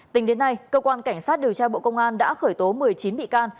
tính đến nay cơ quan cảnh sát điều tra bộ công an đã khởi tố một mươi chín bị can